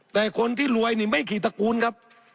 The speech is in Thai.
แต่คนที่รวยนี่ไม่ขี่ตระกูลครับ